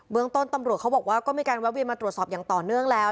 เมืองต้นตำรวจเขาบอกว่าก็มีการแวะเวียนมาตรวจสอบอย่างต่อเนื่องแล้ว